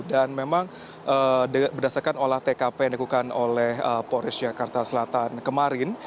dan memang berdasarkan olah tkp yang diakukan oleh polres jakarta selatan kemarin